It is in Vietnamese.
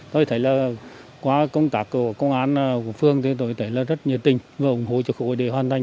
tôi thấy là qua công tác của công an của phường thì tôi thấy là rất nhiệt tình và ủng hộ cho khối để hoàn thành